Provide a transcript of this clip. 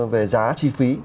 về giá chi phí